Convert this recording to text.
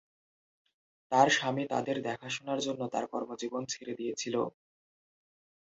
তার স্বামী তাদের দেখাশোনার জন্য তার কর্মজীবন ছেড়ে দিয়েছিল।